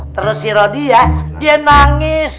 terus si rodi ya dia nangis